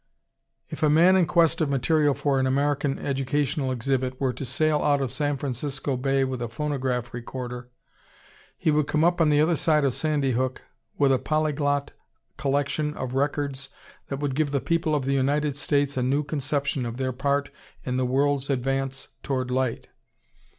If a man in quest of material for an American educational exhibit were to sail out of San Francisco Bay with a phonograph recorder, he would come up on the other side of Sandy Hook with a polyglot collection of records that would give the people of the United States a new conception of their part in the world's advance toward light.